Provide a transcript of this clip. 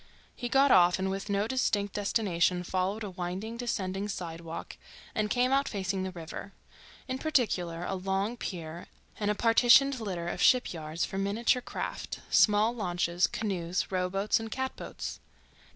He got off and with no distinct destination followed a winding, descending sidewalk and came out facing the river, in particular a long pier and a partitioned litter of shipyards for miniature craft: small launches, canoes, rowboats, and catboats.